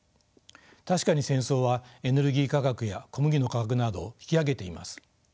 確かに戦争はエネルギー価格や小麦の価格などを引き上げています。